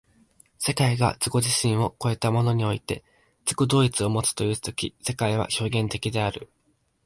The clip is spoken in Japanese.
世界が自己自身を越えたものにおいて自己同一をもつという時世界は表現的である。